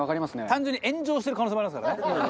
単純に炎上してる可能性もありますからね。